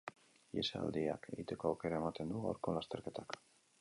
Ihesaldiak egiteko aukera ematen du gaurko lasterketak.